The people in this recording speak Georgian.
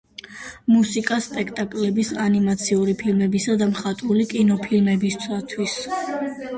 მუსიკა სპექტაკლების, ანიმაციური ფილმებისა და მხატვრული კინოფილმებისათვის.